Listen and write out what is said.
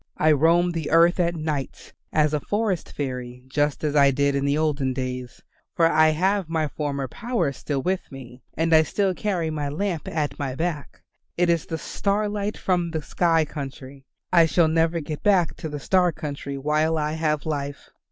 I roam the earth at nights as a forest fairy just as I did in the olden days, for I have my former power still with me, and I still carry my lamp at my back; it is the starlight from the sky country. I shall never get back to the star country while I have life.